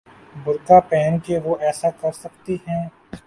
برقعہ پہن کے وہ ایسا کر سکتی ہیں؟